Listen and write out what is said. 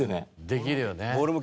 できるよね。